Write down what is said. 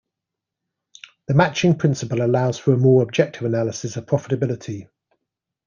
The matching principle allows for a more objective analysis of profitability.